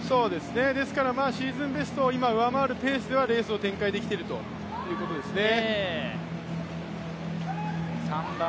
シーズンベストを上回るペースではレースを展開できているということですね。